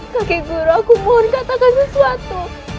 kakek guru aku mohon katakan sesuatu